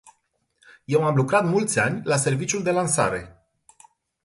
Eu am lucrat mulți ani la serviciul de lansare.